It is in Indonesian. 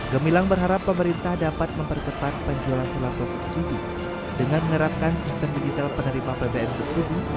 gemilang berharap pemerintah dapat memperkepat penjualan solar bersubsidi dengan menerapkan sistem digital penerima bpn subsidi